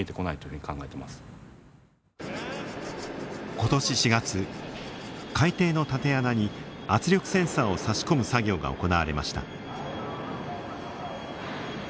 今年４月海底の縦穴に圧力センサーを差し込む作業が行われました。